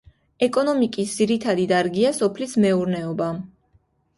ეკონომიკის ძირითადი დარგია სოფლის მეურნეობა.